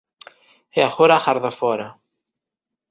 E agora agarda fóra.